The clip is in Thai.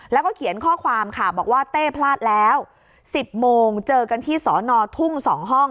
แล้วก็เขียนข้อความค่ะบอกว่าเต้พลาดแล้ว๑๐โมงเจอกันที่สอนอทุ่ง๒ห้อง